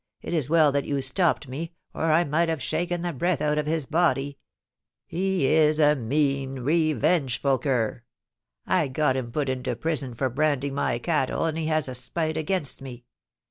It is well that you stopped me, or I might have shaken the breath out of his body. He is a mean, revengeful cur. I got him put LAST WORDS. 417 into prison for branding my cattle, and he has a spite against me.